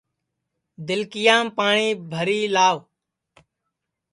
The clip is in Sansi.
دِلکِیام پاٹؔی بھری لاو